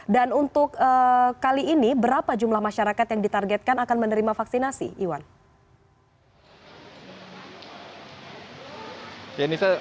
dan untuk kali ini berapa jumlah masyarakat yang ditargetkan akan menerima vaksinasi iwan